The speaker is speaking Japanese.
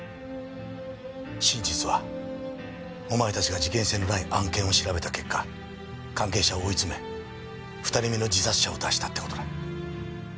真実はお前たちが事件性のない案件を調べた結果関係者を追い詰め２人目の自殺者を出したって事だ。